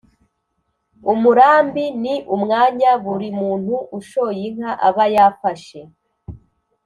Umurambi ni umwanya buri muntu ushoye inka aba yafashe.